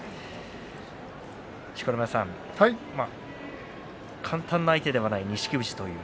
錣山さん、簡単な相手ではない錦富士という